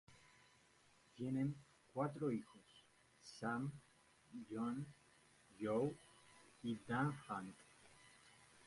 Tienen cuatro hijos: Sam, John, Joe y Dan Hunt.